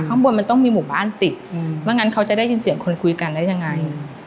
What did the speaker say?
ข้างบนมันต้องมีหมู่บ้านติดว่างั้นเขาจะได้ยินเสียงคนคุยกันได้ยังไง